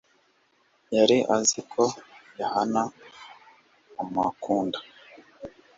yari azi ko yohana amukunda